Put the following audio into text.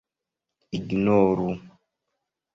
ignoru